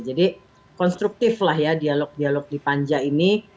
konstruktif lah ya dialog dialog di panja ini